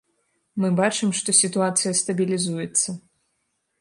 Мы бачым, што сітуацыя стабілізуецца.